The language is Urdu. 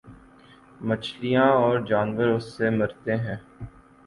مچھلیاں اور جانور اس سے مرتے ہیں۔